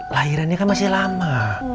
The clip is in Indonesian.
lahirannya kan masih lama